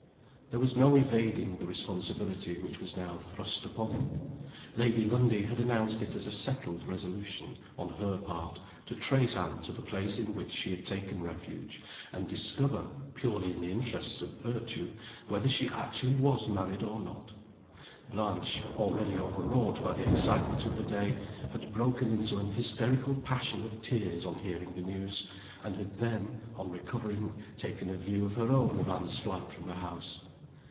There was no evading the responsibility which was now thrust upon him. Lady Lundie had announced it as a settled resolution, on her part, to trace Anne to the place in which she had taken refuge, and discover (purely in the interests of virtue) whether she actually was married or not. Blanche (already overwrought by the excitement of the day) had broken into an hysterical passion of tears on hearing the news, and had then, on recovering, taken a view of her own of Anne's flight from the house.